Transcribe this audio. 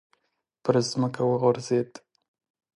پر ځمکه وغورځېد.